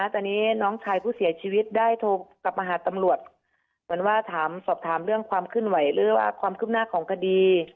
ตอนนี้น้องชายผู้เสียชีวิตได้โทรกลับมาหาตำรวจเหมือนว่าถามสอบถามเรื่องความเคลื่อนไหวหรือว่าความคืบหน้าของคดี